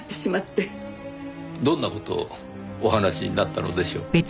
どんな事をお話しになったのでしょう？